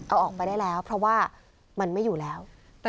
เอาออกไปได้แล้วเพราะว่ามันไม่อยู่แล้ว